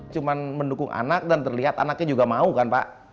cuma mendukung anak dan terlihat anaknya juga mau kan pak